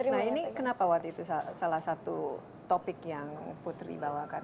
nah ini kenapa waktu itu salah satu topik yang putri bawakan